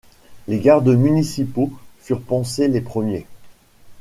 Les gardes municipaux furent pansés les premiers.